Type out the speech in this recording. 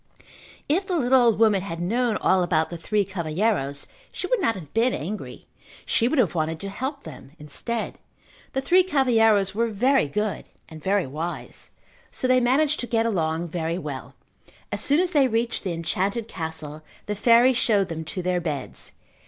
If the little old woman had known all about the three cavalheiros she would not have been angry. She would have wanted to help them instead. The three cavalheiros were very good and very wise, so they managed to get along very well. As soon as they reached the enchanted castle the fairy showed them to their beds.